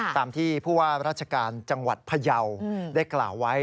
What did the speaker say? ตามที่ผู้ว่าราชการจังหวัดพยาวได้กล่าวไว้